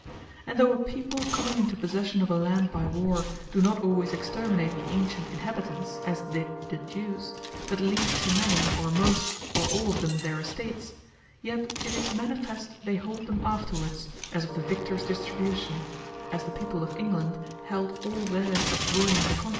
And though a People comming into possession of a land by warre, do not alwaies exterminate the antient Inhabitants, (as did the Jewes,) but leave to many, or most, or all of them their Estates; yet it is manifest they hold them afterwards, as of the Victors distribution; as the people of England held all theirs of William the Conquerour.